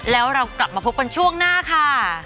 แล้วเรากลับมาพบกันช่วงหน้าค่ะ